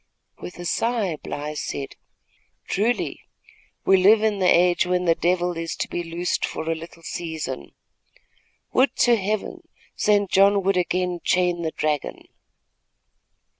With a sigh, Bly said: "Truly, we live in the age when the devil is to be loosed for a little season. Would to Heaven, St. John would again chain the dragon."